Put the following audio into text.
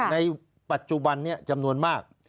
ในปัจจุบันนี้จำนวนมาก